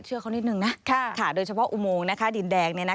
เชื่อเขานิดหนึ่งโดยเฉพาะอุโมงดินแดง